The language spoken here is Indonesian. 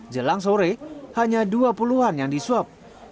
jelang sore hanya dua puluh an yang diswab